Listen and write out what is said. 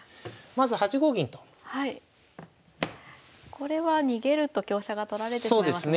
これは逃げると香車が取られてしまいますね。